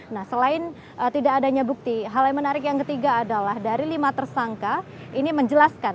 nah selain tidak adanya bukti hal yang menarik yang ketiga adalah dari lima tersangka ini menjelaskan